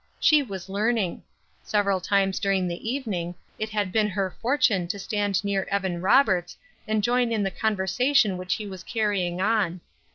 She was learning. Several times during the evening it had been her fortune to stand near Evan Roberts and join in the conversation which he was carrying on.